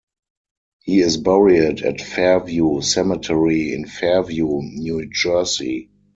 He is buried at Fairview Cemetery in Fairview, New Jersey.